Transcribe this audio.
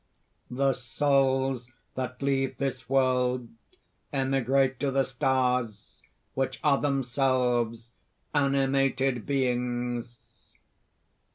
"The souls that leave this world emigrate to the stars, which are themselves animated beings."